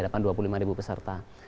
yang dihadapan dua puluh lima ribu peserta